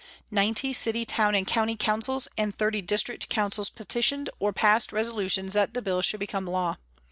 Ninety city, town and county councils, and thirty district councils petitioned or passed resolutions that the Bill should become law.